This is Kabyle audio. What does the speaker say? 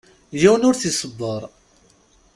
Yiwen ur t-iṣebber.